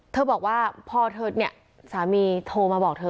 บอกว่าพอเธอเนี่ยสามีโทรมาบอกเธอ